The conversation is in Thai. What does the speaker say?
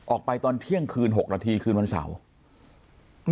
ออกไปตอนเที่ยงคืนหกนาทีคืนวันเสาร์